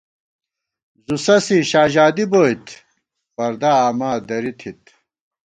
زُو سَسی شاژادی بوئیت، پردا آما دری تھِت